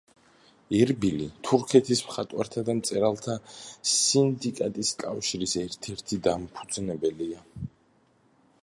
ერბილი, თურქეთის მხატვართა და მწერალთა სინდიკატის კავშირის ერთ-ერთი დამფუძნებელია.